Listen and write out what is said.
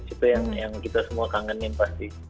itu yang kita semua kangenin pasti